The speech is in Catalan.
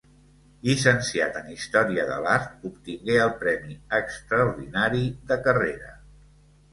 Llicenciat en Història de l'Art, obtingué el premi extraordinari de carrera.